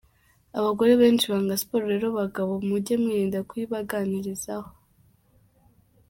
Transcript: Abagore benshi banga siporo rero bagabo mujye mwirinda kuyibaganirizaho.